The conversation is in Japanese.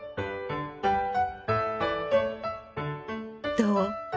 どう？